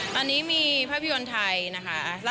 ตอนนี้มีภาพยนตร์ไทยนะคะล่าสุดกับน้องนาว